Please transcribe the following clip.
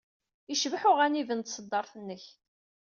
Yecbeḥ uɣanib n tṣeddart-nnek.